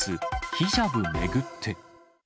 ヒジャブ巡って。